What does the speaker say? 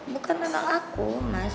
bukan tentang aku mas